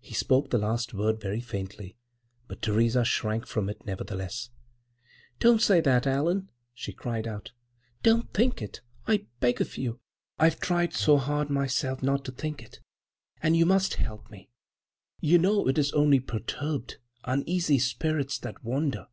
He spoke the last word very faintly, but Theresa shrank from it nevertheless. "Don't say that, Allan!" she cried out. "Don't think it, I beg of you! I've tried so hard myself not to think it—and you must help me. You know it is only perturbed, uneasy spirits that wander.